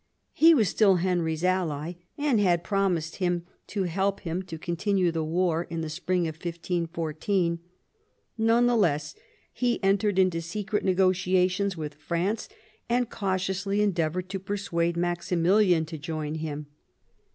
He was still Henry's ally, and had promised him to help him to continue the war in the spring of 1514. None the less he entered into secret negotiations with France, and cautiously endeavoured to persuade Maximilian tojoinliim.